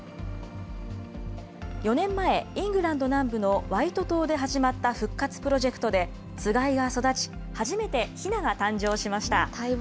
４年前、イングランド南部のワイト島で始まった復活プロジェクトでつがいが育ち、初めてひなが誕生しました。